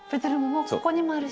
ここにもあるし。